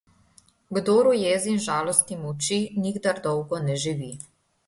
Kdor v jezi in žalosti molči, nikdar dolgo ne živi.